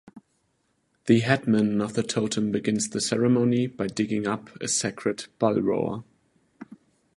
The headman of the totem begins the ceremony by digging up a sacred bullroarer.